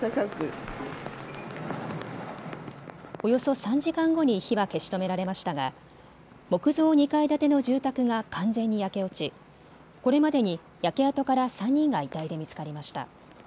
およそ３時間後に火は消し止められましたが木造２階建ての住宅が完全に焼け落ち、これまでに焼け跡から３人が遺体で見つかりました。